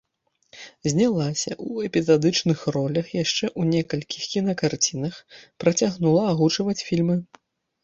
Знялася ў эпізадычных ролях яшчэ ў некалькіх кінакарцінах, працягнула агучваць фільмы.